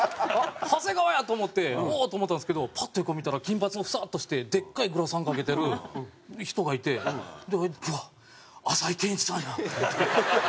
長谷川やと思っておお！と思ったんですけどパッて横見たら金髪のフサーッとしてでっかいグラサンかけてる人がいてうわっ浅井健一さんやと思って。